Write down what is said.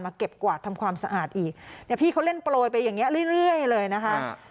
เก็บกวาดทำความสะอาดอีกเนี่ยพี่เขาเล่นโปรยไปอย่างเงี้เรื่อยเลยนะคะ